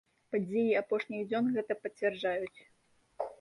Падзеі апошніх дзён гэта пацвярджаюць.